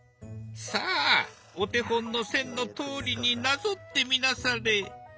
さあお手本の線のとおりになぞってみなされ。